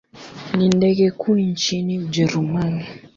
Ni ndege kuu nchini Ujerumani.